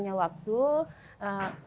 dengan perkembangannya waktu